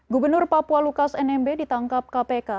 gubernur papua lukas nmb ditangkap kpk